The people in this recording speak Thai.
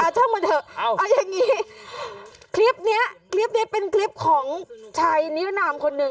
ช่างมาเถอะเอาอย่างนี้คลิปนี้คลิปนี้เป็นคลิปของชายนิรนามคนหนึ่ง